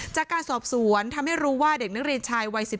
จากการสอบสวนทำให้รู้ว่าเด็กนักเรียนชายวัย๑๔